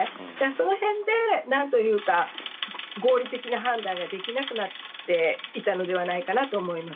その辺で合理的な判断ができなくなっていたのではないかなと思います。